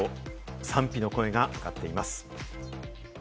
賛否の声が上がっています。